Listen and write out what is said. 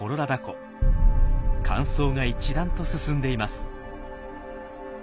乾燥が一段と進んでいます。